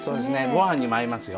ご飯にも合いますよ。